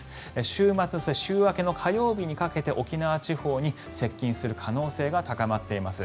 週末、週明けの火曜日にかけて沖縄地方に接近する可能性が高まっています。